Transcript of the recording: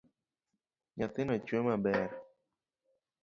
Nyathino chwe maber.